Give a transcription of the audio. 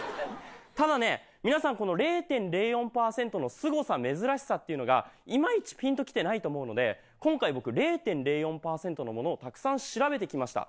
ただね皆さんこの０．０４％のすごさ珍しさっていうのがいまいちピンときてないと思うので今回僕０．０４％のものをたくさん調べてきました。